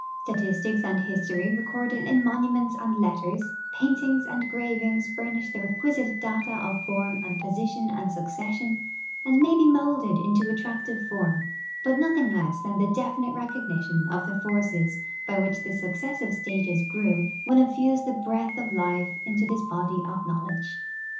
Statistics and history recorded in monuments and letters, paintings and gravings furnish the re(piisite data of form and position and succession, and may be molded into attractive form, I)ut nothing less than definite recog nition of tlie forces by which the successive stages grew will in fuse the breath of life into this body of knowledge.